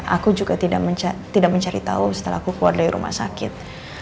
aku juga tidak mencari tahu setelah aku keluar dari rumah sakit